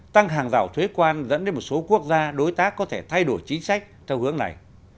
tăng hàng rào thuế quan dẫn đến một số quốc gia đối tác có thể thay đổi chính sách theo hướng này